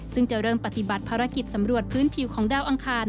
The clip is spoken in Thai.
ซึ่งจะเริ่มปฏิบัติภารกิจสำรวจพื้นผิวของดาวอังคาร